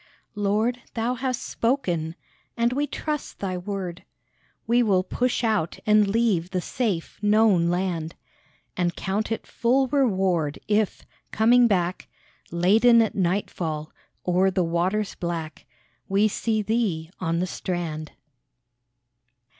Lord, Thou hast spoken, and we trust Thy word ; We will push out and leave the safe, known land, And count it full reward if, coming back Laden at nightfall, o'er the waters black We see Thee on the strand.